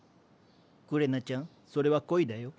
くれなちゃんそれは恋だよ。